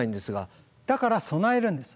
だから備えるんです。